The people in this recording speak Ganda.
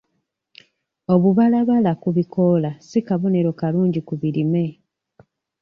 Obubalabala ku bikoola si kabonero kalungi ku birime.